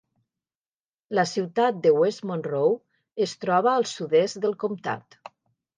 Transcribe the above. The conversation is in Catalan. La ciutat de West Monroe es troba al sud-est del comtat.